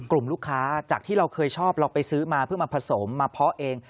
กลุ่มลูกค้าจากที่เราเคยชอบเราไปซื้อมาเพื่อมาผสมมาเพาะเอง